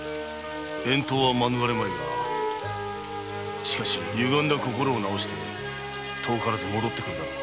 遠島は免れまいが歪んだ心を直して遠からず戻ってくるだろう。